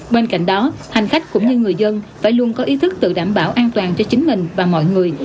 bên cạnh đó hành khách cũng như người dân phải luôn có ý thức tự đảm bảo an toàn cho chính mình và mọi người